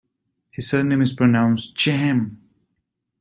His surname is pronounced "Chahm".